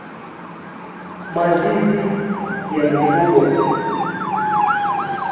Mazizi ya mifugo